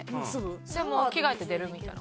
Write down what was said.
もう着替えて出るみたいな。